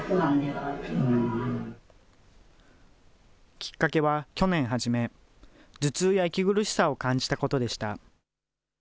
きっかけは去年初め、頭痛や息苦しさを感じたことでした。